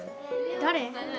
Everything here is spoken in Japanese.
誰？